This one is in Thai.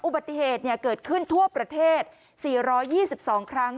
อุบัติเหตุเกิดขึ้นทั่วประเทศ๔๒๒ครั้ง